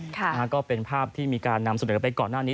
แล้วก็เป็นภาพที่มีการนำสนุนเข้าไปก่อนหน้านี้